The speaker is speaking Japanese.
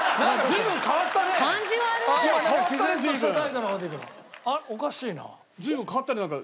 随分変わったねなんか。